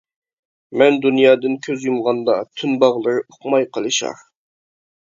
مەن دۇنيادىن كۆز يۇمغاندا تۈن باغلىرى ئۇقماي قىلىشار.